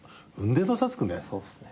そうっすね。